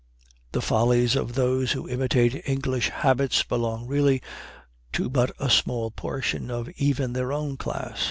The follies of those who imitate English habits belong really to but a small portion of even their own class.